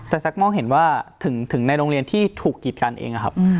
แต่แซ็กมองเห็นว่าถึงในโรงเรียนที่ถูกกิจกันเองนะครับ